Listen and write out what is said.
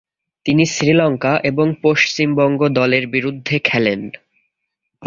তিনি শ্রীলঙ্কা এবং পশ্চিমবঙ্গ দলের বিরুদ্ধে খেলেন।